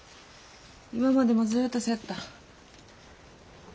今までもずっとそやった。